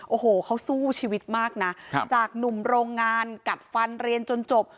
โอ้โหเขาสู้ชีวิตมากนะจากหนุ่มโรงงานกัดฟันเรียนจนจบ